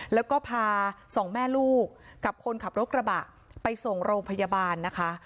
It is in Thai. แล้วก็พาสองแม่ลูกกับคนขับรถกระบะไปส่งโรงพยาบาลนะคะ